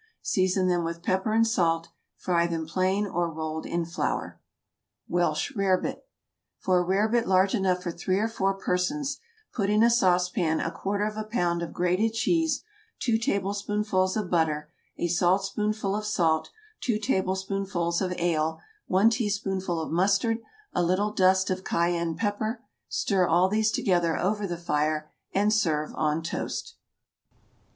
Season them with pepper and salt. Fry them plain or rolled in flour. WELSH RAREBIT. For a rarebit large enough for three or four persons, put in a sauce pan a quarter of a pound of grated cheese, two tablespoonfuls of butter, a saltspoonful of salt, two tablespoonfuls of ale, one teaspoonful of mustard, a little dust of cayenne pepper, stir all these together over the fire and serve on toast.